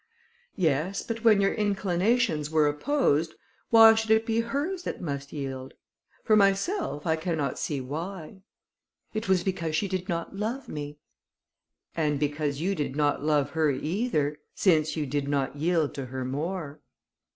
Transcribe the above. "Yes, but when your inclinations were opposed, why should it be hers that must yield? For myself I cannot see why." "It was because she did not love me." "And because you did not love her either, since you did not yield to her more."